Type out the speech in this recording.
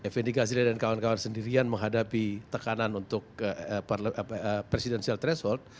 fni gazirian dan kawan kawan sendirian menghadapi tekanan untuk presidential threshold